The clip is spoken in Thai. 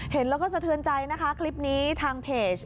เห็นแล้วก็สะเทือนใจนะคะคลิปนี้ทางเพจ